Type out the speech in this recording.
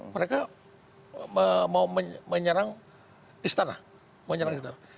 mereka mau menyerang istana